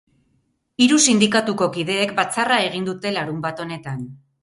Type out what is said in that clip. Hiru sindikatuko kideek batzarra egin dute larunbat honetan.